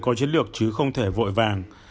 có chiến lược chứ không thể vội vàng